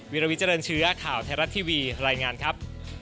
วิลวิเจริญเชื้อข่าวไทยรัฐทีวีรายงานครับ